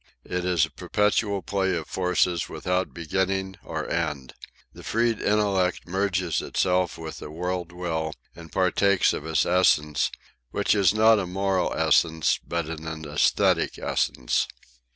It is a perpetual play of forces without beginning or end. The freed Intellect merges itself with the World Will and partakes of its essence, which is not a moral essence but an æsthetic essence